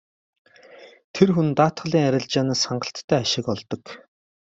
Тэр хүн даатгалын арилжаанаас хангалттай ашиг олдог.